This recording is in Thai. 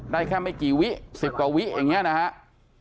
ได้แค่ไม่กี่วิ๑๐กว่าวิอย่างนี้นะครับ